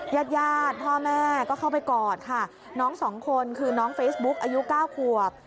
ญาติญาติพ่อแม่ก็เข้าไปกอดค่ะน้องสองคนคือน้องเฟซบุ๊กอายุเก้าขวบ